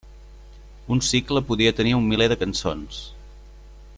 Un cicle podia tenir un miler de cançons.